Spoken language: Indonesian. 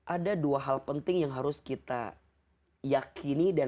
ada dua hal penting yang harus kita yakini